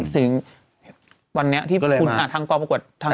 ถึงวันนี้ที่ทางกองประกวดทาง